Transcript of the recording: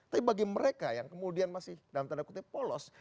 tapi bagi mereka yang kemudian masih dalam tanda kutip polos